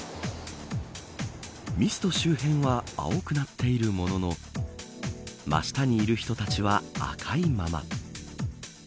ミスト周辺は青くなっているものの真下にいる人たちは赤いまま。